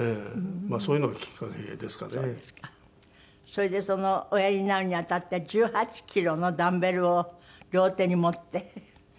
それでおやりになるにあたって１８キロのダンベルを両手に持って。